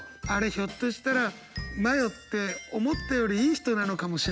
ひょっとしたらマヨって思ったよりいい人なのかもしれないぐらいの？